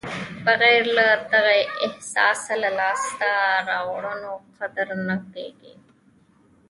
بغیر له دغه احساسه د لاسته راوړنو قدر نه کېږي.